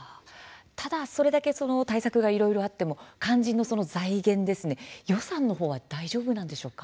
ただ、これだけ対策がいろいろあっても肝心の財源予算の方は大丈夫なんでしょうか。